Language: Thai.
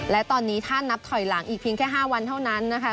และตอนนี้ถ้านับถอยหลังอีกเพียงแค่๕วันเท่านั้นนะคะ